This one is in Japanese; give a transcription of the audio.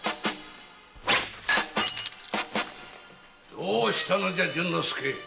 どうしたのじゃ順之助？